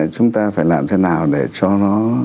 chúng ta phải làm thế nào để cho nó